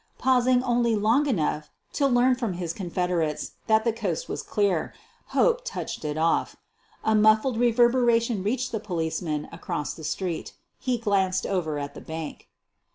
Pausing only long enough to learn from his con federates that the coast was clear, Hope touched it off. A muffled reverberation reached the policeman across the street. He glanced over at the bank.